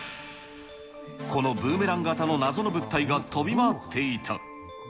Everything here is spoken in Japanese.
このブーメラン型の謎の物体が飛び回っていた。